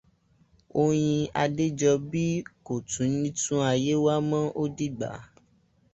Oyin Adéjọbí kò tún ní tún ayé wá mọ́, ó dìgbà